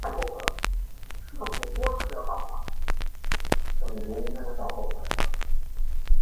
汉中与涪城相差千里。